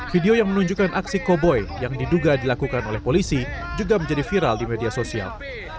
video yang menunjukkan aksi koboi yang diduga dilakukan oleh polisi juga menjadi viral di media sosial